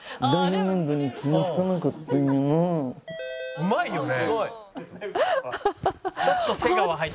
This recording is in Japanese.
「うまいよね」